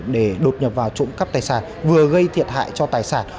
để đột nhập vào trộm cắp tài sản vừa gây thiệt hại cho tài sản